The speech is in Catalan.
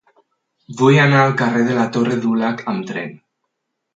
Vull anar al carrer de la Torre Dulac amb tren.